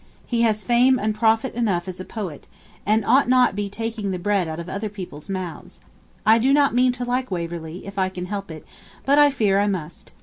He has fame and profit enough as a poet, and ought not to be taking the bread out of other people's mouths. I do not mean to like "Waverley," if I can help it, but I fear I must.